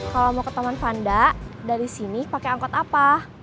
kalo mau ketauan fanda dari sini pakai angkot apa